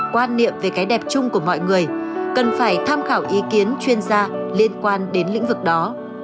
quan niệm về cái đẹp chung của mọi người cần phải tham khảo ý kiến chuyên gia liên quan đến lĩnh vực đó